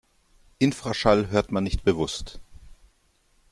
Infraschall hört man nicht bewusst.